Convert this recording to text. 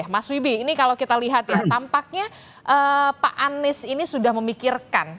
mas wibi ini kalau kita lihat ya tampaknya pak anies ini sudah memikirkan